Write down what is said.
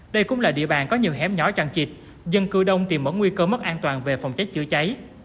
đây cũng là địa bàn có nhiều hẻm nhỏ chằn chịt dân cư đông tìm mở nguy cơ mất an toàn về phòng cháy chữa cháy